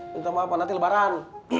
minta maafan nanti lebaran